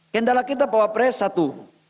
kendala kita pak pak pres satu